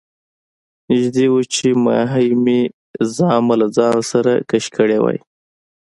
نږدې وو چې ماهي مې زامه له ځان سره راکش کړې وای.